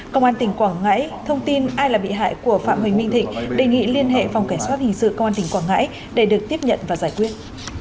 công an tỉnh quảng ngãi thông tin ai là bị hại của phạm huỳnh minh thịnh đề nghị liên hệ phòng cảnh sát hình sự công an tỉnh quảng ngãi để được tiếp nhận và giải quyết